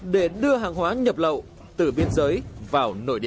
để đưa hàng hóa nhập lậu từ biên giới vào nội địa